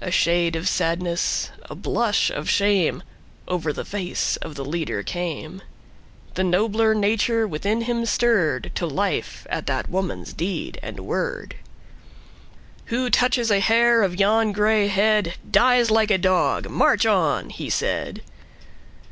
A shade of sadness, a blush of shame, Over the face of the leader came; The nobler nature within him stirredTo life at that woman's deed and word:"Who touches a hair of yon gray headDies like a dog! March on!" he said.